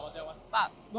selamat siang pak